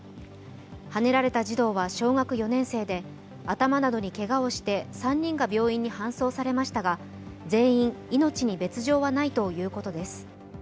はねられた児童は小学４年生で頭などにけがをして３人が病院に搬送されましたが全員、命に別状はないということです。